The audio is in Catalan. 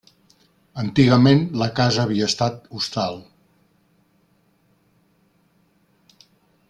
Antigament la casa havia estat hostal.